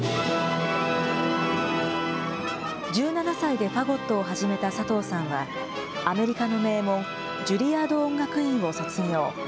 １７歳でファゴットを始めた佐藤さんは、アメリカの名門、ジュリアード音楽院を卒業。